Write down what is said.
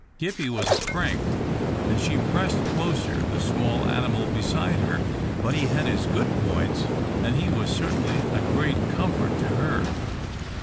Gippie was a crank, and she pressed closer the small animal beside her, but he had his good points, and he was certainly a great comfort to her.